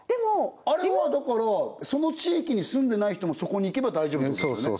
あれはだからその地域に住んでない人もそこに行けば大丈夫なんですよね